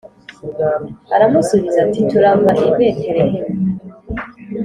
Aramusubiza ati Turava i Betelehemu